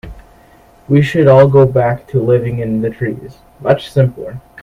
We should all go back to living in the trees, much simpler.